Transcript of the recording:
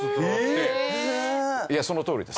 いやそのとおりです。